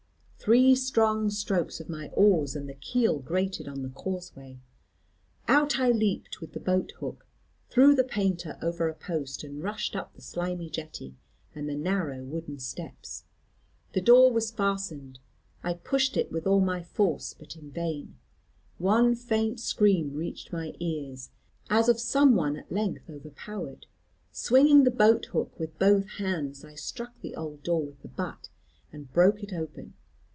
Three strong strokes of my oars, and the keel grated on the causeway. Out I leaped with the boat hook, threw the painter over a post, and rushed up the slimy jetty, and the narrow wooden steps. The door was fastened, I pushed it with all my force, but in vain. One faint scream reached my ears, as of some one at length overpowered. Swinging the boat hook with both hands, I struck the old door with the butt, and broke it open.